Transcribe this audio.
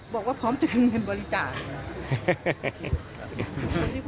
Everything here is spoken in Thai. บอกว่าพร้อมจะเป็นเงินบริจาค